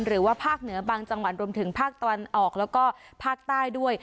หรือว่าภาคเหนือบางจังหวัดรวมถึงภาคตะวันออกแล้วก็ภาคใต้ด้วย